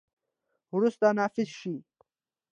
وروسته، نافذ شي.